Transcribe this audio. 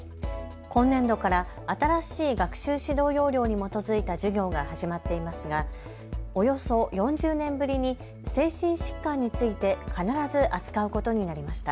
今年度から新しい学習指導要領に基づいた授業が始まっていますがおよそ４０年ぶりに精神疾患について必ず扱うことになりました。